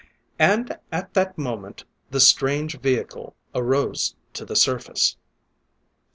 And at that moment the strange vehicle arose to the surface.